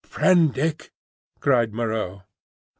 "Prendick!" cried Moreau.